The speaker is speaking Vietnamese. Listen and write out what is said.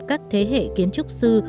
các thế hệ kiến trúc sư